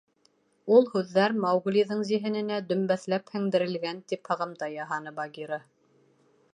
— Ул һүҙҙәр Мауглиҙың зиһененә дөмбәҫләп һеңдерелгән, — тип һығымта яһаны Багира.